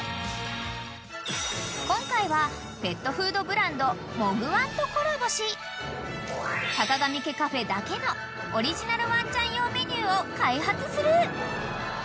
［今回はペットフードブランドモグワンとコラボしさかがみ家カフェだけのオリジナルワンちゃん用メニューを開発する］